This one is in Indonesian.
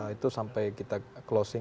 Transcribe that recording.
itu sampai kita closing